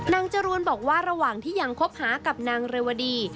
จรวนบอกว่าระหว่างที่ยังคบหากับนางเรวดี